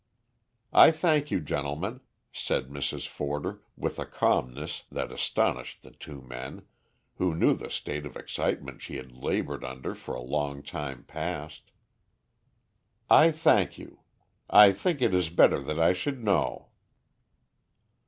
"I thank you, gentlemen," said Mrs. Forder, with a calmness that astonished the two men, who knew the state of excitement she had laboured under for a long time past. "I thank you. I think it is better that I should know."